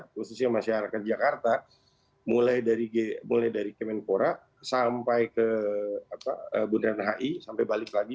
khususnya masyarakat jakarta mulai dari kemenpora sampai ke bundaran hi sampai balik lagi